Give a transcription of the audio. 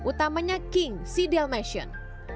utamanya king si dalmatian